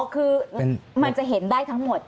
คือมันจะเห็นได้ทั้งหมด